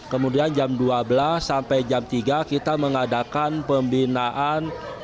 kemudian jam dua belas sampai jam tiga kita mengadakan pembinaan